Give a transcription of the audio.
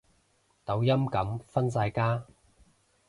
抖音噉分晒家